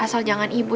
asal jangan ibu